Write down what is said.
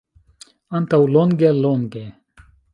Antaŭ longe, longe.